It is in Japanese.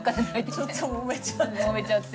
ちょっともめちゃって。